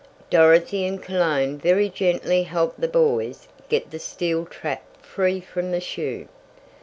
Dorothy and Cologne very gently helped the boys get the steel trap free from the shoe.